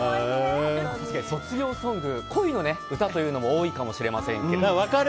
卒業ソング、恋の歌というのも多いかもしれませんけども。